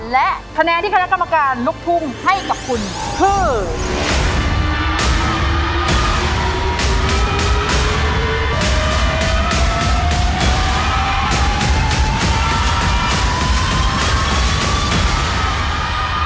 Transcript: และคะแนนที่คณะกรรมการลูกทุ่งให้กับคุณคือ